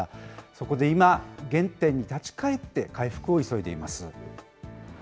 そこで今、原点に立ち返って回復を急いでいます。